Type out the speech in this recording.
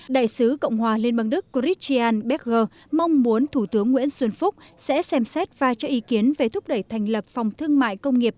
đại sứ cộng hòa liên bang đức christian becker mong muốn thủ tướng nguyễn xuân phúc sẽ xem xét và cho ý kiến về thúc đẩy thành lập phòng thương mại công nghiệp